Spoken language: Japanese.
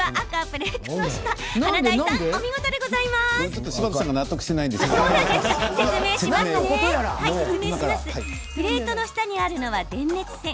プレートの下にあるのは電熱線。